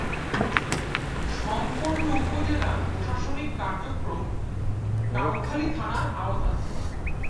সম্পূর্ণ উপজেলার প্রশাসনিক কার্যক্রম কাউখালী থানার আওতাধীন।